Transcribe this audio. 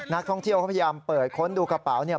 นักท่องเที่ยวเขาพยายามเปิดค้นดูกระเป๋าเนี่ย